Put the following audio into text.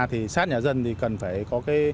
thì sát nhà dân cần phải có